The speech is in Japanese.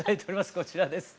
こちらです。